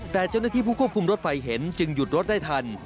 แต่เจ้าหน้าที่ผู้ควบคุมรถไฟเห็นจึงหยุดรถได้ทัน